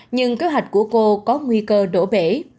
nhưng kế hoạch của cô có nguy cơ đổ bể